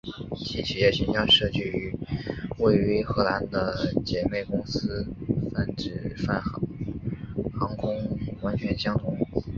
其企业形象设计与位于荷兰的姊妹公司泛航航空完全相同。